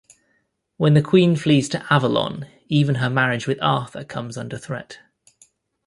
When the Queen flees to Avalon, even her marriage with Arthur comes under threat.